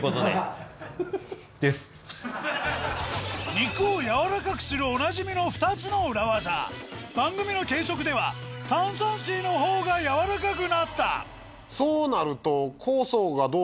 肉をやわらかくするおなじみの２つの裏技番組の計測では炭酸水のほうがやわらかくなったそうなると。